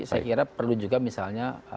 saya kira perlu juga misalnya